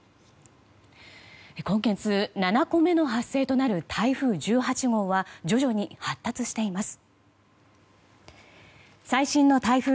今月７個目の発生となる台風１８号は徐々に発達しています。